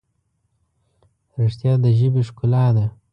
رښتیا د ژبې ښکلا ده.